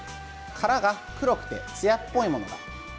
殻が黒くてつやっぽいもの。